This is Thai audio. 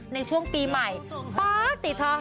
ในช่วงปีใหม่ป๊าติเธอ